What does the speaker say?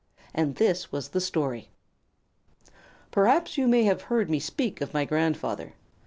And this was the story: "Perhaps you may have heard me speak of my grandfather.